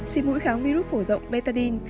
xịt mũi kháng virus phổ rộng betadine